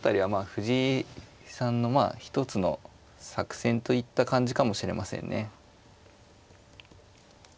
藤井さんの一つの作戦といった感じかもしれませんね。